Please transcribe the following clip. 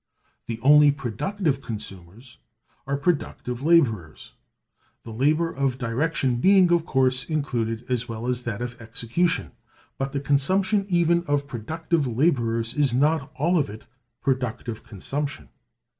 The only productive consumers are productive laborers; the labor of direction being of course included, as well as that of execution. But the consumption even of productive laborers is not all of it Productive Consumption.